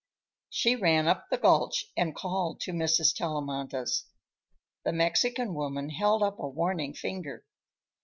She ran up the gulch and called to Mrs. Tellamantez. The Mexican woman held up a warning finger.